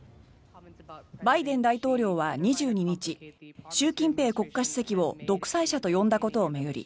バイデン大統領は２２日習近平国家主席を独裁者と呼んだことを巡り